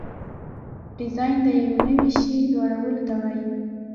ډیزاین د یو نوي شي جوړولو ته وایي.